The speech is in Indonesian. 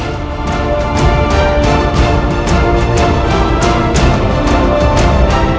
aku ingin berjalan ke sana